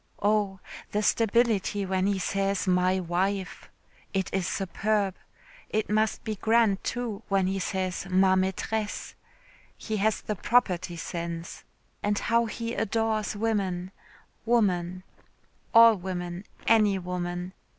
Oh! the stability when he says 'my wife.' It is superb. It must be grand, too, when he says 'ma maitresse'; he has the property sense. And how he adores women, woman, all women, any woman.